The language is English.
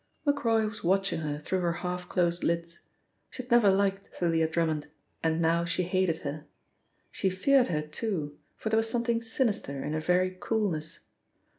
Macroy was watching her through her half closed lids. She had never liked Thalia Drummond, and now she hated her. She feared her too, for there was something sinister in her very coolness.